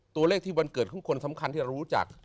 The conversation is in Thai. ตัวเลขที่วันเกิดของคนสำคัญที่เรารู้จัก